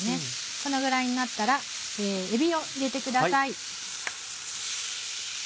このぐらいになったらえびを入れてください。